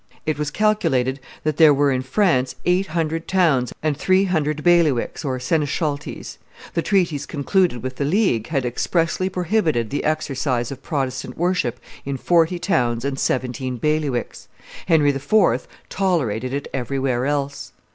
It was calculated that there were in France eight hundred towns and three hundred bailiwicks or seneschalties; the treaties concluded with the League had expressly prohibited the exercise of Protestant worship in forty towns and seventeen bailiwicks; Henry IV. tolerated it everywhere else.